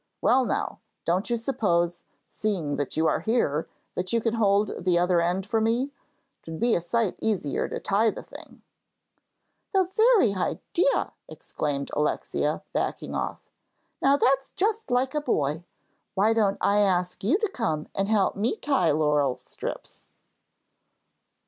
"Well, now, don't you suppose, seeing that you are here, that you can hold that other end for me? 'Twould be a sight easier to tie the thing." "The very idea!" exclaimed Alexia, backing off. "Now that's just like a boy. Why don't I ask you to come and help me tie laurel strips?"